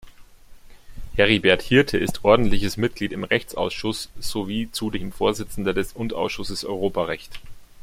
Heribert Hirte ist ordentliches Mitglied im Rechtsausschuss sowie zudem Vorsitzender des Unterausschusses Europarecht.